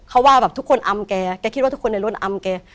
เขาว่าแบบทุกคนอำแกแกคิดว่าทุกคนในรถอำแก